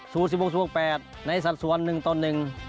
ศูนย์๔๖๐๐๘ในสัตว์ส่วนหนึ่งต้นหนึ่ง